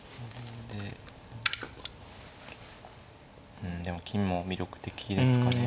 うんでも金も魅力的ですかね。